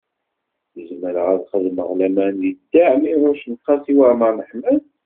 Zemreɣ ad xedmeɣ laman deg Dda Ɛmiiruc u Qasi Waɛmer n Ḥmed?